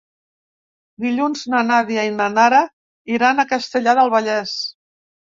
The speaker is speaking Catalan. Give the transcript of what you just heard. Dilluns na Nàdia i na Nara iran a Castellar del Vallès.